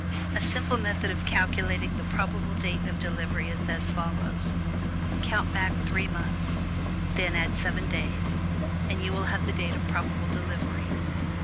A simple method of calculating the probable date of delivery is as follows: COUNT BACK THREE MONTHS, AND THEN ADD SEVEN DAYS, AND YOU WILL HAVE THE DATE OF PROBABLE DELIVERY.